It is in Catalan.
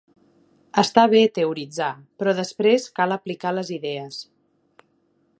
Està bé teoritzar, però després cal aplicar les idees.